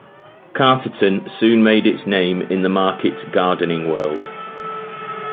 Carterton soon made its name in the market gardening world.